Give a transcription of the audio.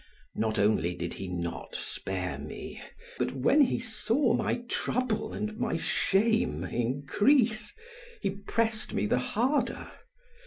Not only did he not spare me, but when he saw my trouble and my shame increase, he pressed me the harder.